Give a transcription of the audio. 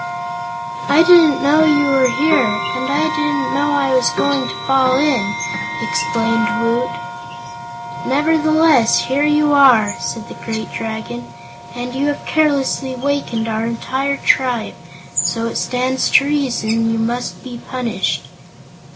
"I didn't know you were here, and I didn't know I was going to fall in," explained Woot. "Nevertheless, here you are," said the great Dragon, "and you have carelessly wakened our entire tribe; so it stands to reason you must be punished."